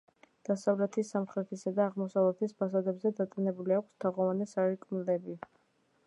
დასავლეთის სამხრეთისა და აღმოსავლეთის ფასადებზე დატანებული აქვს თაღოვანი სარკმლები.